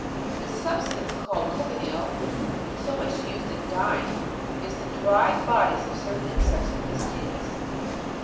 The sub stance called cochineal, so much used in dyeing, is the dried bodies of certain insects of this genus.